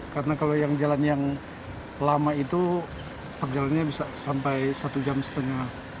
karena kalau yang jalan yang lama itu perjalannya bisa sampai satu jam setengah